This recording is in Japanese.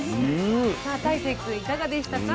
さあ大聖君いかがでしたか？